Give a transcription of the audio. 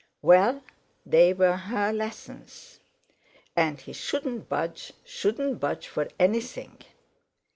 Well, they were her lessons. And he shouldn't budge shouldn't budge for anything.